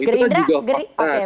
itu kan juga faktas